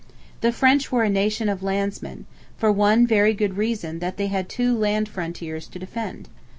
The French were a nation of landsmen; for one very good reason that they had two land frontiers to defend.